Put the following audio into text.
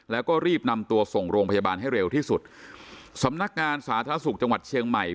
แล้วก็รีบนำตัวส่งโรงพยาบาลให้เร็วที่สุดสำนักงานสาธารณสุขจังหวัดเชียงใหม่